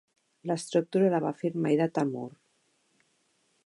L'escultura la va firmar i datar Moore.